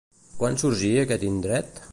Quan sorgí aquest indret?